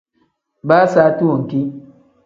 Baa saati wenki.